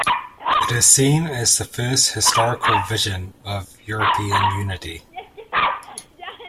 It is seen as the first historical vision of European unity.